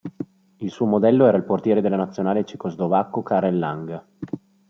Il suo modello era il portiere della nazionale cecoslovacco Karel Lang.